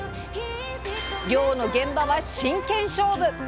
漁の現場は真剣勝負！